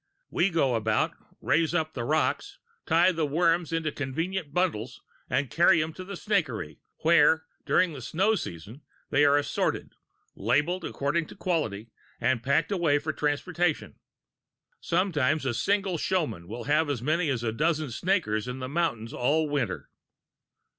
"We go about, raise up the rocks, tie the worms into convenient bundles and carry them to the snakery, where, during the snow season, they are assorted, labelled according to quality, and packed away for transportation. Sometimes a single showman will have as many as a dozen snakers in the mountains all winter.